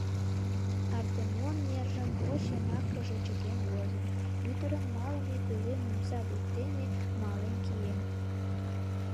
Артемон нержым поч йымакыже чыкен возын, ӱдырын малыме пӧлем омса воктене мален киен.